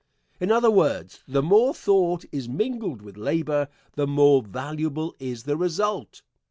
In other words, the more thought is mingled with labor the more valuable is the result.